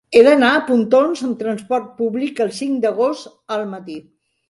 He d'anar a Pontons amb trasport públic el cinc d'agost al matí.